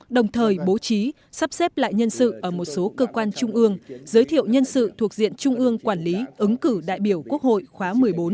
đồng thời bố trí sắp xếp lại nhân sự ở một số cơ quan trung ương giới thiệu nhân sự thuộc diện trung ương quản lý ứng cử đại biểu quốc hội khóa một mươi bốn